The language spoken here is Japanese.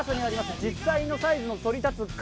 実際のサイズのそり立つ壁